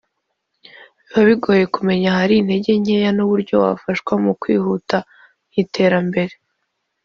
biba bigoye kumenya ahari intege nkeya n’uburyo bafashwa mu kwihuta mu iterambere